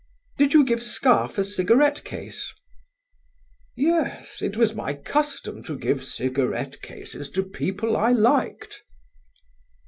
"Did you give Scarfe a cigarette case?" "Yes: it was my custom to give cigarette cases to people I liked."